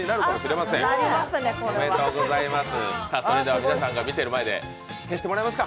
皆さんが見ている前で消してもらえますか？